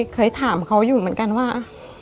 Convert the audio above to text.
เคยถามเขาอยู่เหมือนกันว่า